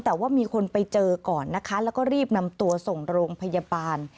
แต่ว่ามีคนไปเจอก่อนนะคะแล้วก็รีบนำตัวส่งโรงพยาบาล